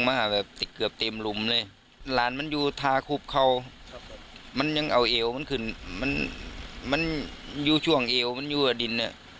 มันอยู่ช่วงเอวมันอยู่ด้านดิน